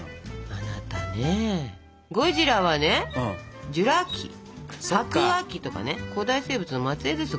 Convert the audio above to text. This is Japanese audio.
あなたねゴジラはねジュラ紀白亜紀とかね古代生物の末えいです